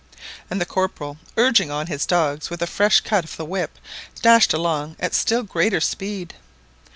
And the Corporal, urging on his dogs with a fresh cut of the whip, dashed along at still greater speed.